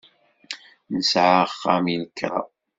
Nesɛa axxam i lekra.